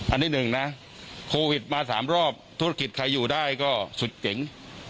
อันนี้หนึ่งนะโควิดมา๓รอบธุรกิจใครอยู่ได้ก็สุดเจ๋ง